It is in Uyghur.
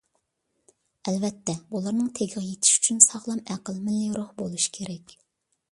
ئەلۋەتتە، بۇلارنىڭ تېگىگە يېتىش ئۈچۈن ساغلام ئەقىل، مىللىي روھ بولۇش كېرەك.